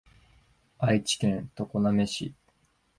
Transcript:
愛知県常滑市